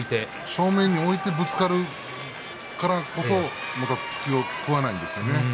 正面に置いてぶつかるからこそ突きを食わないんですね。